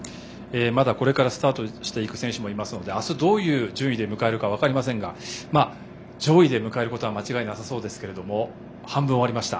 まだこれからスタートしていく選手もいますので明日どういう順位で迎えるか分かりませんが上位で迎えることは間違いなさそうですけども半分終わりました。